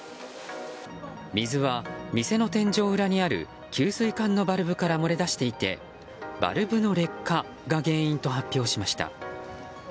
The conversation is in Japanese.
水は店の天井裏にある給水管のバルブから漏れ出していてバルブの劣化が原因と発表しました。